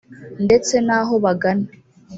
ndetse naho bagana